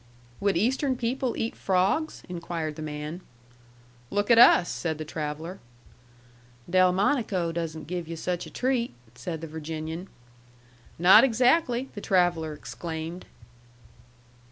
"Would Eastern people eat frogs?" inquired the man. "Look at us!" said the traveller. "Delmonico doesn't give yu' such a treat!" said the Virginian. "Not exactly!" the traveller exclaimed.